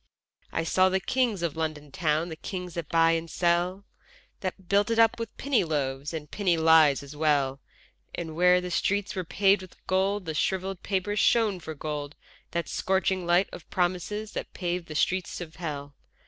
I saw the kings of London town, The kings that buy and sell, That built it up with penny loaves And penny lies as well: And where the streets were paved with gold, the shrivelled paper shone for gold, The scorching light of promises that pave the streets of hell.